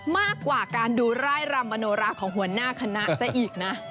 มากกว่าการดูร่ายรำมโนราของหัวหน้าคณะซะอีกนะ